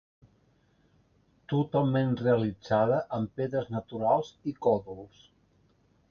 Totalment realitzada amb pedres naturals i còdols.